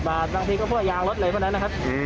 บาทบางทีก็พวกยางรถเลยพวกนั้นนะครับ